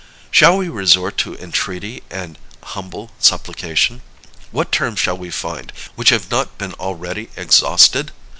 Shall we resort to entreaty and humble supplication? What terms shall we find, which have not been already exhausted?